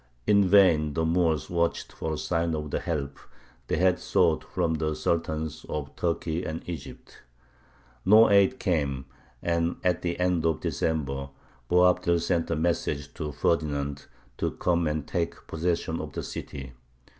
In vain the Moors watched for a sign of the help they had sought from the Sultans of Turkey and Egypt. No aid came, and at the end of December Boabdil sent a message to Ferdinand to come and take possession of the city.